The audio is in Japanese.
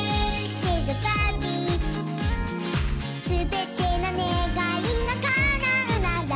「すべてのねがいがかなうなら」